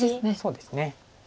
そうですね。